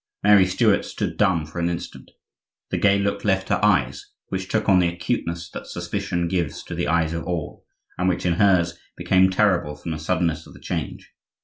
Mary Stuart stood dumb for an instant; the gay look left her eyes, which took on the acuteness that suspicion gives to the eyes of all, and which, in hers, became terrible from the suddenness of the change.